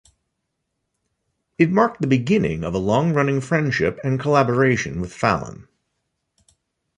It marked the beginning of a long-running friendship and collaboration with Fallon.